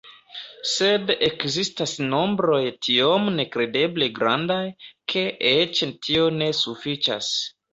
Sed ekzistas nombroj tiom nekredeble grandaj, ke eĉ tio ne sufiĉas.